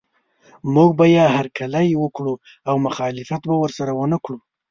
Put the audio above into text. موږ به یې هرکلی وکړو او مخالفت به ورسره ونه کړو.